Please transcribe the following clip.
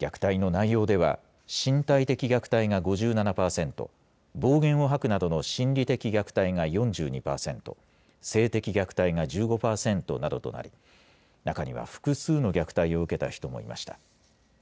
虐待の内容では、身体的虐待が５７％、暴言を吐くなどの心理的虐待が４２％、性的虐待が１５％などとなり、中には複数の虐待を受けた人もいました。